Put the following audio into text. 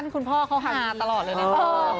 คุณพ่อเขาหาตลอดเลยนะครับ